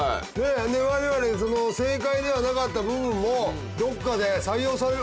我々その正解ではなかった部分もどっかで採用される。